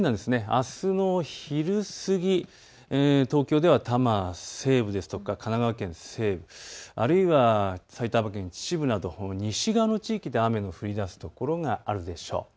あすの昼過ぎ、東京では多摩西部ですとか神奈川県西部、あるいは埼玉県秩父など西側の地域で雨の降りだす所があるでしょう。